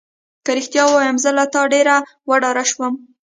که رښتیا ووایم زه له تا ډېره وډاره شوم.